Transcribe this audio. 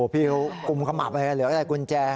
พี่เอวอุ่งกำหมัดไปแล้วเหลือกะแหล่กุญแจ